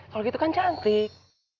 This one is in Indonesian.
kalo gitu kan cantik